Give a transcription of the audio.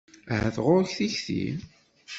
Ahat ɣuṛ-k tikti?